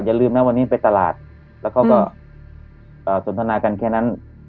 อย่าลืมนะวันนี้ไปตลาดแล้วเขาก็สนทนากันแค่นั้น